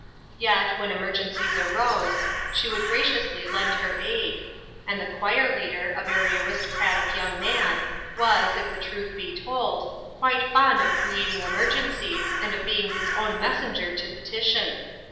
Yet DRIFTING. 75 when emergencies arose, she would graciously lend her aid ; and the choir leader, a very aristocratic young man, was, if the truth be told, quite fond of creating emergencies, and of being his own messen ger to petition.